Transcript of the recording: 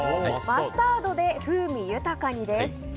マスタードで風味豊かにです。